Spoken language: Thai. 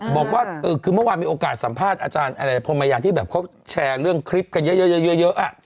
บอกว่าคือเมื่อวานมีโอกาสสัมภาษณ์อาจารย์อะไรพรมยานที่แบบเขาแชร์เรื่องคลิปกันเยอะ